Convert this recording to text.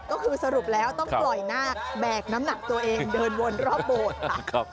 ก็คือสรุปแล้วต้องปล่อยนาคแบกน้ำหนักตัวเองเดินวนรอบโบสถ์ค่ะ